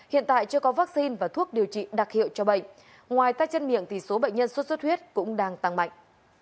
hiện tại chưa có vaccine và thuốc điều trị đặc hiệu cho bệnh ngoài tay chân miệng thì số bệnh nhân sốt xuất huyết cũng đang tăng mạnh